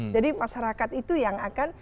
jadi masyarakat itu yang akan